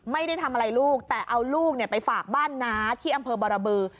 ไม่ได้ทำอะไรลูกแต่เอาลูกไปฝากบ้านน้าที่อำเภอบรบือ